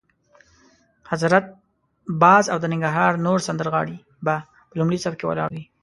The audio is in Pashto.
حضرت باز او د ننګرهار نور سندرغاړي به په لومړي صف کې ولاړ وي.